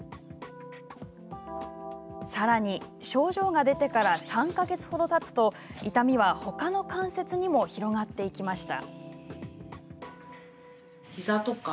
さらに、症状が出てから３か月ほどたつと痛みは、ほかの関節にも広がっていきました。